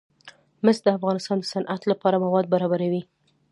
مس د افغانستان د صنعت لپاره مواد برابروي.